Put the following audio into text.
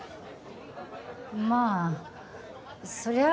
まあそりゃあ